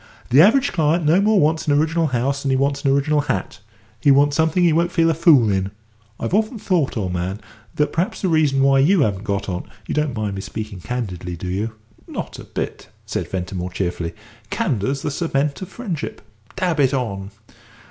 The average client no more wants an original house than he wants an original hat; he wants something he won't feel a fool in. I've often thought, old man, that perhaps the reason why you haven't got on you don't mind my speaking candidly, do you?" "Not a bit," said Ventimore, cheerfully. "Candour's the cement of friendship. Dab it on."